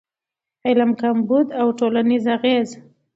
علم کمبود او ټولنیز اغېز